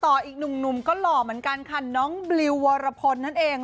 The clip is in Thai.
อีกหนุ่มก็หล่อเหมือนกันค่ะน้องบลิววรพลนั่นเอง